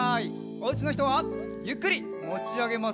おうちのひとはゆっくりもちあげますよ。